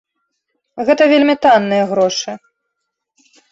Гэта вельмі танныя грошы.